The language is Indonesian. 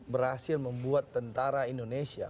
berhasil membuat tentara indonesia